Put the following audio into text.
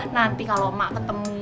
nanti kalo emak ketemu